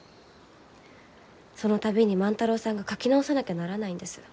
その度に万太郎さんが描き直さなきゃならないんです。